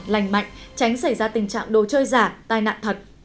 lành mạnh tránh xảy ra tình trạng đồ chơi giả tai nạn thật